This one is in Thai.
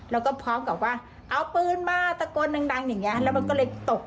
เสร็จปุ๊บก็เลยมากด